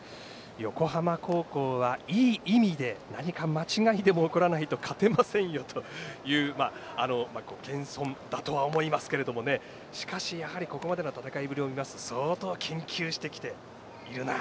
横浜高校は、いい意味で何か間違いが起こらないと勝てませんよというご謙遜だとは思いますけれどもしかし、やはりここまでの戦いぶりを見ますと相当、研究してきているな。